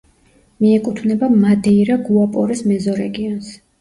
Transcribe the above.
მიეკუთვნება მადეირა-გუაპორეს მეზორეგიონს.